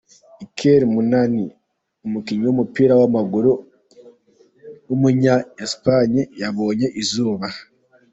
Iker Muniain, umukinnyi w’umupira w’amaguru w’umunya Espagne yabonye izuba.